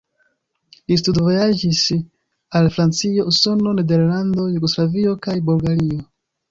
Li studvojaĝis al Francio, Usono, Nederlando, Jugoslavio kaj Bulgario.